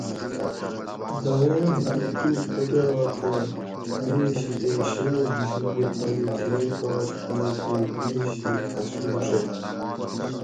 دایہ ہکوکور ٹکرا تے بِرے شِٹیں شینگہ گۤشوکہ تانی تھیر کاش کیر تے بِرے شِیٹ ہسوڛیت